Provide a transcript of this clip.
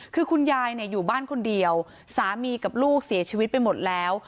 คือคุณยายเนี่ยอยู่บ้านคนเดียวสามีกับลูกเสียชีวิตไปหมดแล้ว